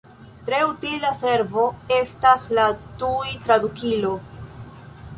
Tre utila servo estas la tuj-tradukilo.